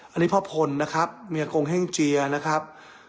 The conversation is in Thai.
อันนี้พ่อพลนะครับเมียกงแห้งเจียนะครับ